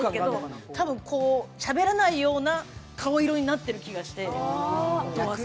多分、しゃべらないような顔色になってる気がして。